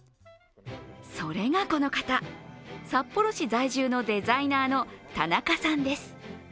それがこの方、札幌市在住のデザイナーの田中さんです。